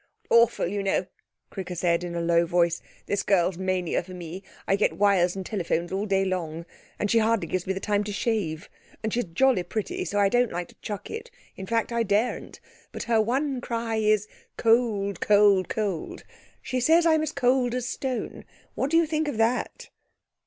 'Awful, you know,' Cricker said, in a low voice ' this girl's mania for me! I get wires and telephones all day long; she hardly gives me time to shave. And she's jolly pretty, so I don't like to chuck it; in fact, I daren't. But her one cry is 'Cold; cold; cold!' She says I'm as cold as a stone. What do you thing of that?'